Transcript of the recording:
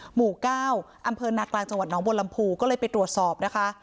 หมู่๙อำเภอนากลางจังหวัดน้องบนลำพูก็เลยไปตรวจสอบนะคะ